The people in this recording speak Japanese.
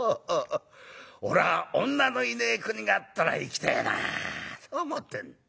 俺は女のいねえ国があったら行きてえなあと思ってんだ」。